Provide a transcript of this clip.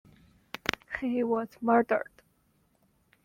He was murdered.